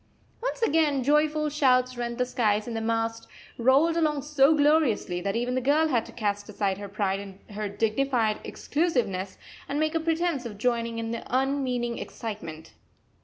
Once again joyful shouts rent the skies, and the mast rolled along so gloriously that even the girl had to cast aside her pride and her dignified exclusiveness and make a pretence of joining in the unmeaning excitement.